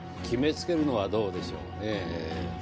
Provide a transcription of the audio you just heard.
決めつけるのはどうでしょうねぇ。